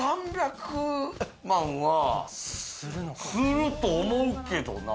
３００万はすると思うけどな。